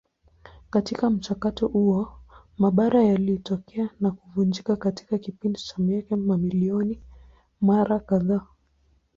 Katika mchakato huo mabara yalitokea na kuvunjika katika kipindi cha miaka mamilioni mara kadhaa.